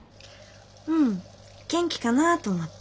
うん元気かなと思って。